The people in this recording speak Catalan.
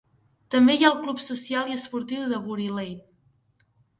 També hi ha el Club Social i Esportiu de Bury Lane.